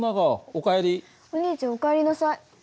お兄ちゃんお帰りなさい。